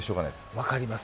分かります。